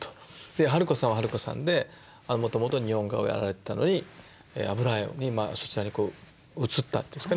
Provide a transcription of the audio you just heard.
春子さんは春子さんでもともと日本画をやられてたのに油絵にまあそちらに移ったんですかね。